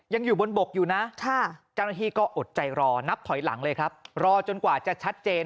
ยังอยู่บนบกอยู่นะเจ้าหน้าที่ก็อดใจรอนับถอยหลังเลยครับรอจนกว่าจะชัดเจน